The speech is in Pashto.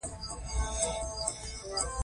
دغه پرمختګونو له بنسټي نوښتونو سرچینه اخیسته.